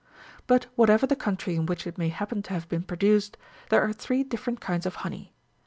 But whatever the country in which it may happen to have been produced, there are three different kinds of honey.